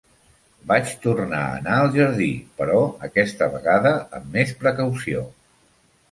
Vaig tornar a anar al jardí, però aquesta vegada amb més precaució.